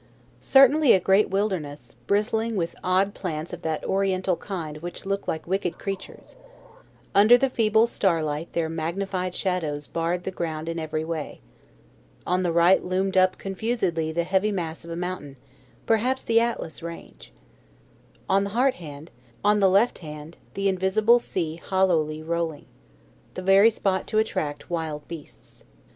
CERTAINLY a great wilderness, bristling with odd plants of that Oriental kind which look like wicked creatures. Under the feeble starlight their magnified shadows barred the ground in every way. On the right loomed up confusedly the heavy mass of a mountain perhaps the Atlas range. On the heart hand, the invisible sea hollowly rolling. The very spot to attract wild beasts.